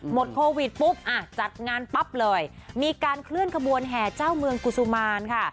โควิดปุ๊บอ่ะจัดงานปั๊บเลยมีการเคลื่อนขบวนแห่เจ้าเมืองกุศุมารค่ะ